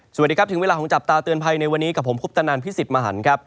สวัสดีครับถึงเวลาของจับตาเตือนภัยในวันนี้กับผมคุปตนันพิสิทธิ์มหันครับ